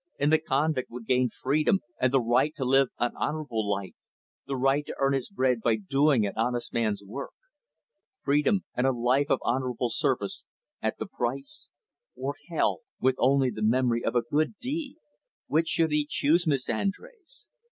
And the convict would gain freedom and the right to live an honorable life the right to earn his bread by doing an honest man's work. Freedom and a life of honorable service, at the price; or hell, with only the memory of a good deed which should he choose, Miss Andrés?